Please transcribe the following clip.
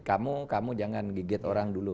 kamu kamu jangan gigit orang dulu